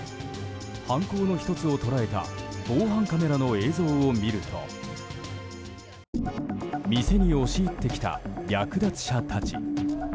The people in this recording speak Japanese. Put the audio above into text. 犯行の１つを捉えた防犯カメラの映像を見ると店に押し入ってきた略奪者たち。